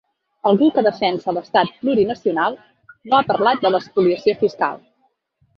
Algú que defensa l’estat plurinacional, no ha parlat de l’espoliació fiscal.